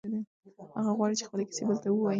هغه غواړي چې خپلې کیسې بل ته ووایي.